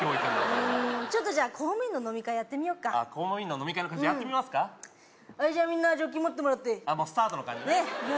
うんちょっとじゃあ公務員の飲み会やってみよっかあっ公務員の飲み会の感じやってみますかはいじゃあみんなジョッキ持ってもらってあっもうスタートの感じねねっ